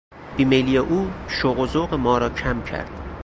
بیمیلی او شوق و ذوق ما را کم کرد.